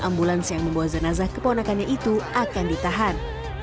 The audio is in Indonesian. ambulans yang membawa jenazah keponakannya itu akan ditahan